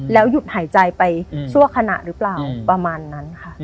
หยุดหายใจไปชั่วขณะหรือเปล่าประมาณนั้นค่ะ